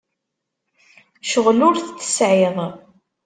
Ccɣel ur t-tesɛiḍ?